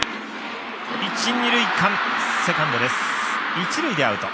一塁でアウト。